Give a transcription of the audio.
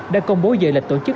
đã công bố dự lịch tổ chức